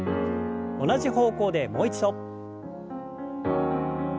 同じ方向でもう一度。